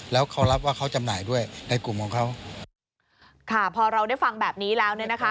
แล้วเขารับว่าเขาจำหน่ายด้วยในกลุ่มของเขาค่ะพอเราได้ฟังแบบนี้แล้วเนี่ยนะคะ